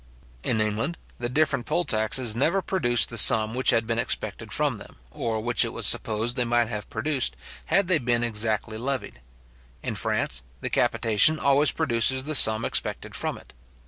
In England, the different poll taxes never produced the sum which had been expected from them, or which it was supposed they might have produced, had they been exactly levied. In France, the capitation always produces the sum expected from it.